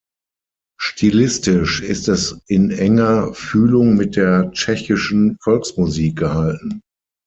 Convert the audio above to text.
Stilistisch ist es in enger Fühlung mit der tschechischen Volksmusik gehalten.